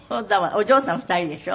お嬢さん２人でしょ？